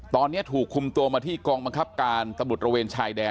ตอนนี้ถูกคุมตัวมาที่กองบังคับการตำรวจระเวนชายแดน